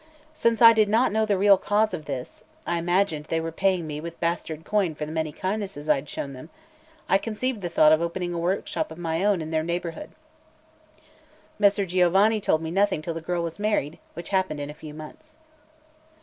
Since I did not know the real cause of this I imagined they were paying me with bastard coin for the many kindnesses I had shown them I conceived the thought of opening a workshop of my own in their neighbourhood. Messer Giovanni told me nothing till the girl was married, which happened in a few months.